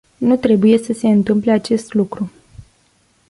Nu trebuie să se întâmple acest lucru.